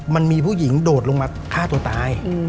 มันมีผู้หญิงโดดลงมาฆ่าตัวตาย